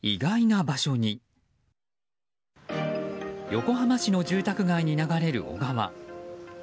横浜市の住宅街に流れる小川。